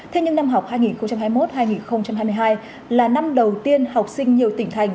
thế nhưng năm học hai nghìn hai mươi một hai nghìn hai mươi hai là năm đầu tiên học sinh nhiều tỉnh thành